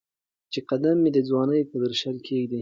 چې قدم مې د ځوانۍ په درشل کېښود